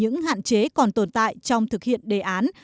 những hạn chế còn tồn tại trong thực hiện đề án